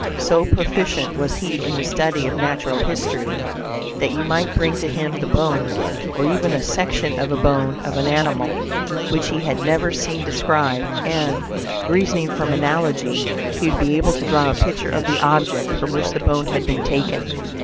So proficient was he in the study of natural history, that you might bring to him the bone, or even a section of a bone of an animal which he had never seen described, and, reasoning from analogy, he would be able to draw a picture of the object from which the bone had been taken.